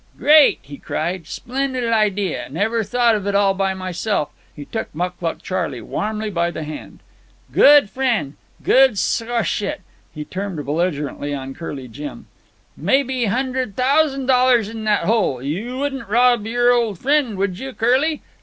"Great!" he cried. "Splen'd idea. Never thought of it all by myself." He took Mucluc Charley warmly by the hand. "Good frien'! Good 's'ciate!" He turned belligerently on Curly Jim. "Maybe hundred thousand dollars in that hole. You wouldn't rob your old frien', would you, Curly?